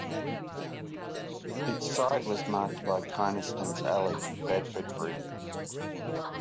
Its site was marked by Kynaston's Alley, Bedfordbury.